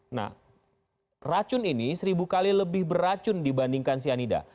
nah racun ini seribu kali lebih beracun dibandingkan cyanida